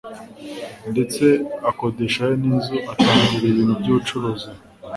ndetse akodeshayo ninzu atangira ibintu byubucuruzi aho